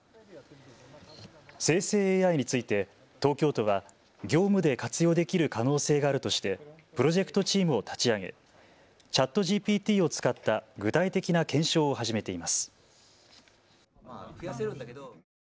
生成ＡＩについて東京都は業務で活用できる可能性があるとしてプロジェクトチームを立ち上げＣｈａｔＧＰＴを使った具体的な検証を始めています。